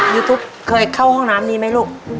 ยูทูปเคยเข้าห้องน้ำนี้ไหมลูก